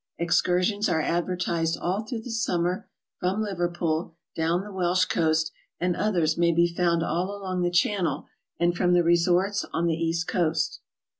Excursions are advertised all through the summer from Liverpool down the Welsh coast, and others may be found all along the Channel and from the resorts on the East coast.